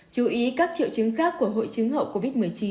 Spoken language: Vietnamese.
chú ý các triệu chứng khác của hội chứng hậu covid một mươi chín